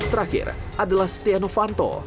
terakhir adalah stiano fanto